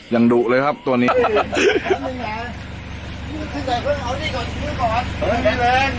ยังดูเลยครับตัวนี้